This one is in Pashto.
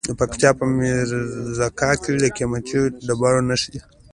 د پکتیا په میرزکه کې د قیمتي ډبرو نښې دي.